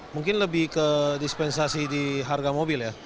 mungkin lebih ke dispensasi di harga mobil ya